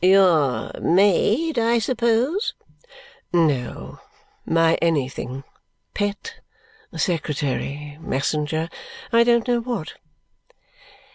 "Your maid, I suppose?" "No. My anything; pet secretary messenger I don't know what."